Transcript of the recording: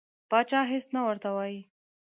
پاچا هیڅ نه ورته وایي.